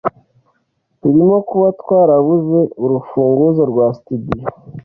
birimo kuba twarabuze urufunguzo rwa Studio